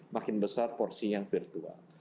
makin besar porsi yang virtual